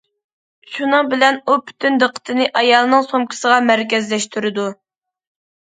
شۇنىڭ بىلەن ئۇ پۈتۈن دىققىتىنى ئايالنىڭ سومكىسىغا مەركەزلەشتۈرىدۇ.